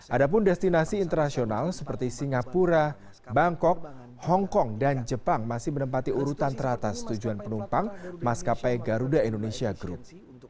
ada pun destinasi internasional seperti singapura bangkok hongkong dan jepang masih menempati urutan teratas tujuan penumpang maskapai garuda indonesia group